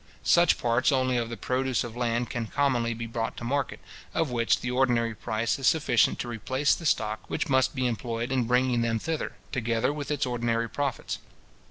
Such parts only of the produce of land can commonly be brought to market, of which the ordinary price is sufficient to replace the stock which must be employed in bringing them thither, together with its ordinary profits.